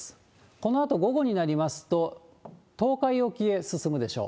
このあと午後になりますと、東海沖へ進むでしょう。